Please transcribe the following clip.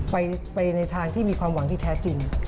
ไปในทางที่มีความหวังที่แท้จริง